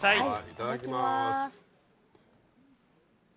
いただきます。